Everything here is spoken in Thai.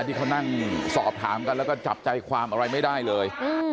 ที่เขานั่งสอบถามกันแล้วก็จับใจความอะไรไม่ได้เลย